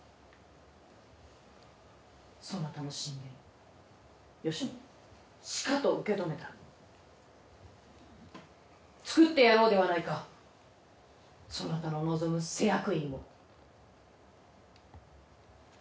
「そなたの進言吉宗しかと受け止めた作ってやろうではないかそなたの望む施薬院を！」